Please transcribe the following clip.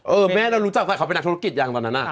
เออแม่เรารู้จักว่าเขาเป็นนักธุรกิจยังตอนนั้น